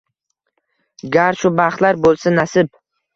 Gar shu baxtlar bo’lsa nasib